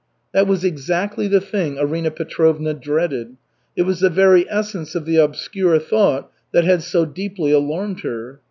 That was exactly the thing Arina Petrovna dreaded. It was the very essence of the obscure thought that so deeply alarmed her.